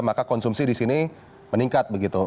maka konsumsi di sini meningkat begitu